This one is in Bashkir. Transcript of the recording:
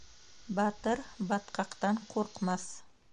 Батыр батҡаҡтан ҡурҡмаҫ.